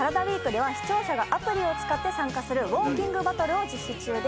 ＷＥＥＫでは視聴者がアプリを使って参加するウオーキングバトルを実施中です。